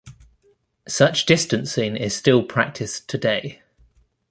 Such distancing is still practiced today.